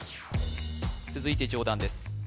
続いて上段です